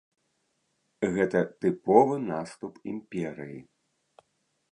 Гэта тыповы наступ імперыі.